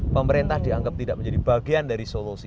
pemerintah dianggap tidak menjadi bagian dari solusi